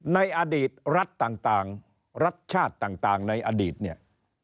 ในอดีตรัฐต่างรัฐชาติต่างในอดีตเนี่ย